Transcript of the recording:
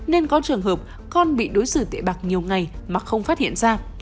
nên có trường hợp con bị đối xử tệ bạc nhiều ngày mắc không phát hiện ra